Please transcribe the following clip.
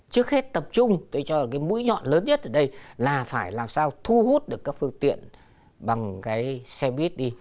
trước hết tập trung tôi cho là cái mũi nhọn lớn nhất ở đây là phải làm sao thu hút được các phương tiện bằng cái xe buýt đi